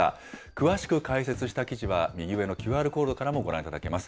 詳しく解説した記事は、右上のＱＲコードからもご覧いただけます。